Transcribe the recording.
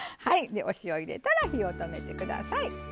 はいお塩入れたら火を止めて下さい。